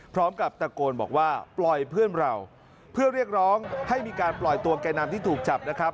พร้อมกับตะโกนบอกว่าปล่อยเพื่อนเราเพื่อเรียกร้องให้มีการปล่อยตัวแก่นำที่ถูกจับนะครับ